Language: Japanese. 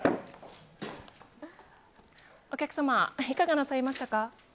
お客様、いかがなさいましたか？